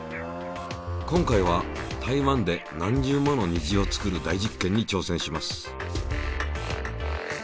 今回は台湾で何重もの虹を作る大実験に挑戦します。